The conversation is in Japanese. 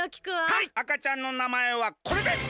はいあかちゃんの名前はこれです！